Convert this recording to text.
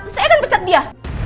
saya akan pecat dia